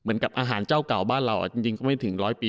เหมือนกับอาหารเจ้าเก่าบ้านเราจริงก็ไม่ถึง๑๐๐ปี